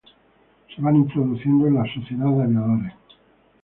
Se van introduciendo a la sociedad de aviadores.